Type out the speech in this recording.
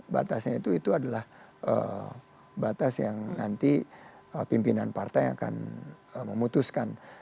batasnya itu adalah batas yang nanti pimpinan partai akan memutuskan